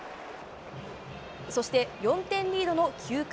そして４点リードの９回。